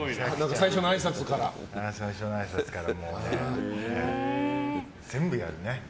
最初のあいさつから、もう全部やるね。